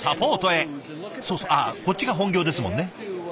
そうそうああこっちが本業ですもんね。